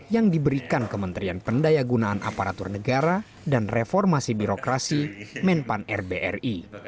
yang diberikan kementerian pendaya gunaan aparatur negara dan reformasi birokrasi menpan rbri